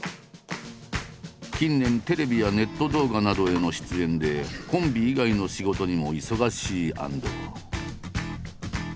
近年テレビやネット動画などへの出演でコンビ以外の仕事にも忙しい安藤。